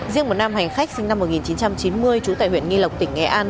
riêng một nam hành khách sinh năm một nghìn chín trăm chín mươi trú tại huyện nghi lộc tỉnh nghệ an